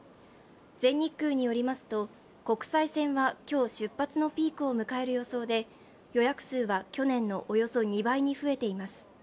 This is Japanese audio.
全日空によりますと国際線は、今日、出発のピークを迎える予想で予約数は去年のおよそ２倍に増えています。